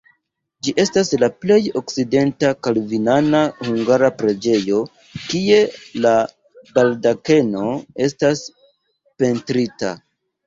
Ĝi estas la plej okcidenta kalvinana hungara preĝejo, kie la baldakeno estas pentrita.